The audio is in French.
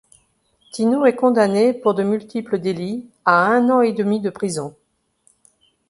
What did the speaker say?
Tino est condamné pour de multiples délits à un an et demi de prison.